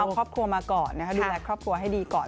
เอาครอบครัวมาก่อนดูแลครอบครัวให้ดีก่อน